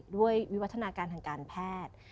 วิวัฒนาการทางการแพทย์